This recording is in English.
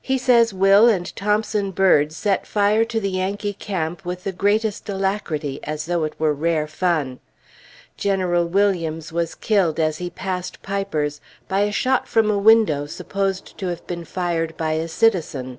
He says Will and Thompson Bird set fire to the Yankee camp with the greatest alacrity, as though it were rare fun. General Williams was killed as he passed Piper's, by a shot from a window, supposed to have been fired by a citizen.